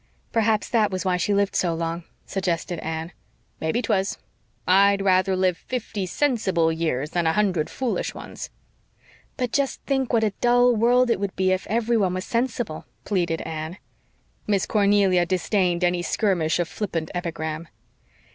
"Perhaps that was why she lived so long," suggested Anne. "Maybe 'twas. I'd rather live fifty sensible years than a hundred foolish ones." "But just think what a dull world it would be if everyone was sensible," pleaded Anne. Miss Cornelia disdained any skirmish of flippant epigram.